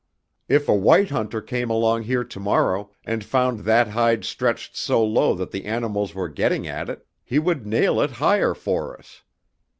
If a white hunter came along here to morrow, and found that hide stretched so low that the animals were getting at it, he would nail it higher for us.